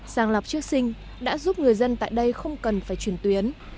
sàng lọc trước sinh đã giúp người dân tại đây không cần phải chuyển tuyến